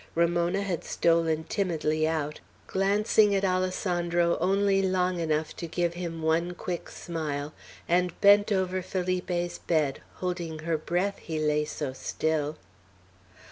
Ramona had stolen timidly out, glancing at Alessandro only long enough to give him one quick smile, and bent over Felipe's bed, holding her breath, he lay so still.